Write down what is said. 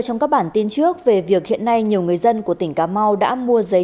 trong các bản tin trước về việc hiện nay nhiều người dân của tỉnh cà mau đã mua giấy